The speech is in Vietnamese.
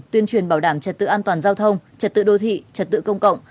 tuyên truyền bảo đảm trật tự an toàn giao thông trật tự đô thị trật tự công cộng